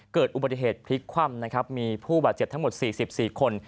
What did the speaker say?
เกิดอุบัติเหตุพลิกคว่ำนะครับมีผู้บาดเจ็บทั้งหมด๔๔คน